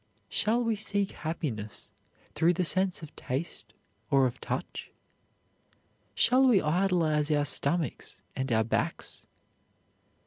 Shall we seek happiness through the sense of taste or of touch? Shall we idolize our stomachs and our backs?